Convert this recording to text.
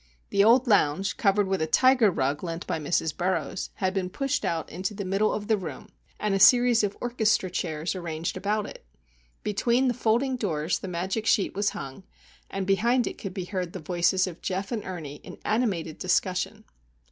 The old lounge, covered with a tiger rug lent by Mrs. Burroughs, had been pushed out into the middle of the room, and a series of "orchestra chairs" arranged about it. Between the folding doors the magic sheet was hung, and behind it could be heard the voices of Geof and Ernie in animated discussion.